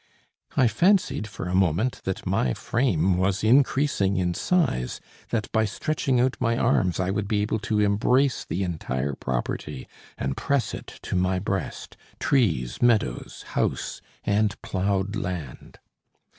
I fancied, for a moment, that my frame was increasing in size, that by stretching out my arms, I would be able to embrace the entire property, and press it to my breast, trees, meadows, house, and ploughed land.